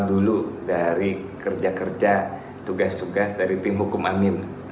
dulu dari kerja kerja tugas tugas dari tim hukum amin